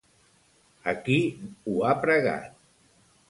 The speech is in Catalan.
A qui ho ha pregat?